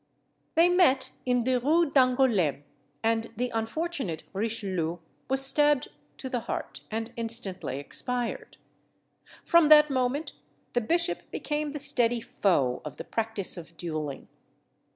They met in the Rue d'Angoulême, and the unfortunate Richelieu was stabbed to the heart, and instantly expired. From that moment the bishop became the steady foe of the practice of duelling.